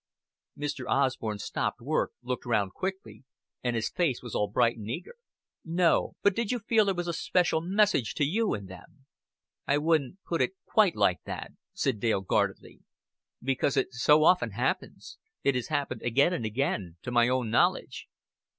Mr. Osborn stopped work, looked round quickly, and his face was all bright and eager. "No. But did you feel there was a special message to you in them?" "I wouldn't put it quite like that," said Dale guardedly. "Because it so often happens. It has happened again and again to my own knowledge."